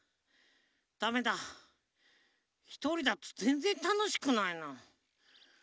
だめだひとりだとぜんぜんたのしくないな。